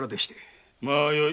まぁよい。